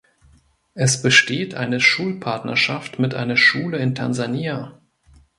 Es besteht eine Schulpartnerschaft mit einer Schule in Tansania.